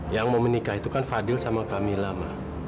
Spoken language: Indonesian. yang mau menikah itu kan fadhil dan kamila ma